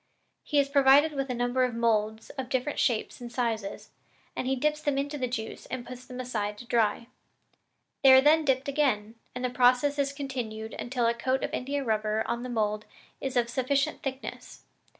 He is provided with a number of moulds of different shapes and sizes, and he dips them into the juice and puts them aside to dry. They are then dipped again, and the process is continued until the coat of India rubber on the mould is of sufficient thickness.